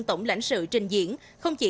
tổng lãnh sự trình diễn không chỉ